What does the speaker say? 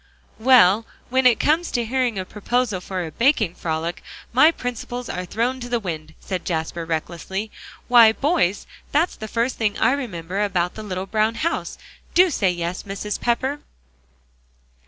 "Well, when it comes to hearing a proposal for a baking frolic, my principles are thrown to the wind," said Jasper recklessly. "Why, boys, that's the first thing I remember about the little brown house. Do say yes, Mrs. Pepper!"